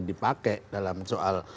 dipakai dalam soal